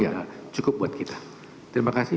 ya cukup buat kita terima kasih